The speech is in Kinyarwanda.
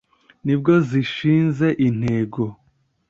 ni bwo zishinze intego ;